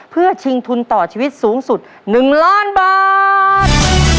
เพื่อชิงทุนต่อชีวิตสูงสุด๑ล้านบาท